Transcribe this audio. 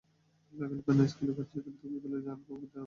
সকালে গানের স্কুলে গান শেখেন তো, বিকেলে যান কবিতা আবৃত্তির ক্লাসে।